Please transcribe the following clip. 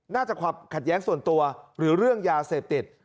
น่าจะความขัดแย้งส่วนตัวหรือเรื่องยาเสพติด